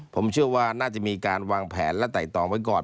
ผมเชื่อว่าน่าจะมีการวางแผนและไต่ตองไว้ก่อน